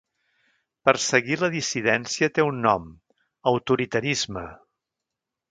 Perseguir la dissidència té un nom: autoritarisme.